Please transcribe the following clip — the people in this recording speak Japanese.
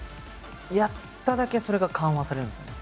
やっただけそれが緩和されるんですよね